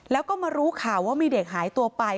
แล้วก็มารู้ข่าวว่ามีเด็กหายตัวไป